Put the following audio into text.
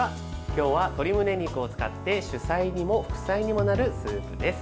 今日は鶏むね肉を使って主菜にも副菜にもなるスープです。